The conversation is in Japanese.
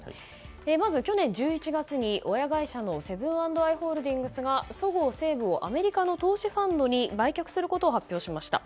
まず去年１１月に親会社のセブン＆アイ・ホールディングスがそごう・西武をアメリカの投資ファンドに売却することを発表しました。